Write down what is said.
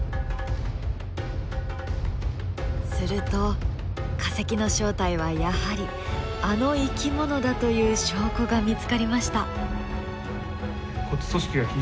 すると化石の正体はやはりあの生き物だという証拠が見つかりました。